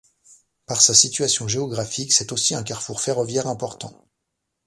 Par sa situation géographique, c'est aussi un carrefour ferroviaire important.